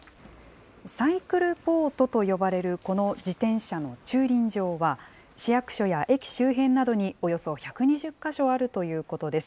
サイクルポートと呼ばれるこの自転車の駐輪場は、市役所や駅周辺などにおよそ１２０か所あるということです。